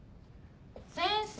先生